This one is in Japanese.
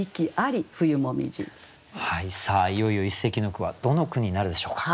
いよいよ一席の句はどの句になるでしょうか？